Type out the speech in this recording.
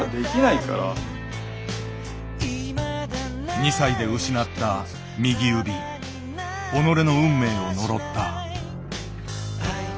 ２歳で失った右指己の運命を呪った。